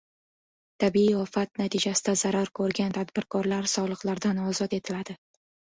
Tabiiy ofat natijasida zarar ko‘rgan tadbirkorlar soliqlardan ozod etiladi